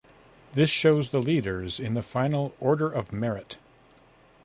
This shows the leaders in the final Order of Merit.